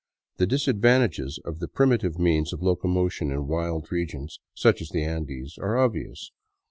The disadvantages of the primitive means of locomotion in wild regions, such as the Andes, are obvious.